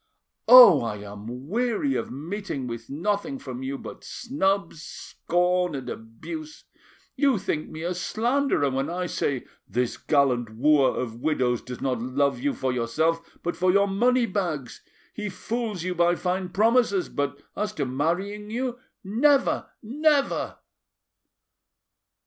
Oh! I am weary of meeting with nothing from you but snubs, scorn, and abuse. You think me a slanderer when I say, 'This gallant wooer of widows does not love you for yourself but for your money bags. He fools you by fine promises, but as to marrying you—never, never!